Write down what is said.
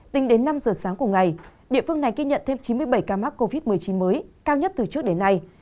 tính đến năm giờ sáng cùng ngày địa phương này ghi nhận thêm chín mươi bảy ca mắc covid một mươi chín mới cao nhất từ trước đến nay